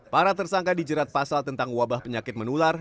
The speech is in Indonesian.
para tersangka dijerat pasal tentang wabah penyakit menular